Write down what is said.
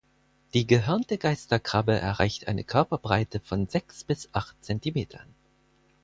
Die Gehörnte Geisterkrabbe erreicht eine Körperbreite von sechs bis acht Zentimetern.